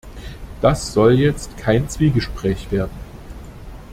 Das soll jetzt kein Zwiegespräch werden.